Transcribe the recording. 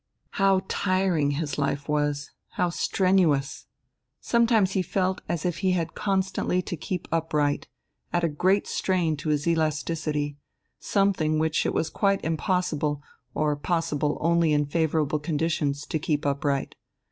How tiring his life was, how strenuous! Sometimes he felt as if he had constantly to keep upright, at a great strain to his elasticity, something which it was quite impossible, or possible only in favourable conditions, to keep upright.